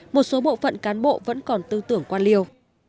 một số bộ phận cán bộ vẫn còn tư tưởng quan liêu